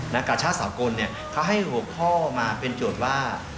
นักการชาติสาวกลเขาให้หัวข้อมาเป็นจุดว่า